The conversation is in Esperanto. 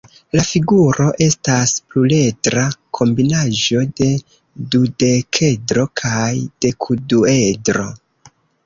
La figuro estas pluredra kombinaĵo de dudekedro kaj dekduedro.